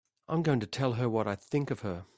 I'm going to tell her what I think of her!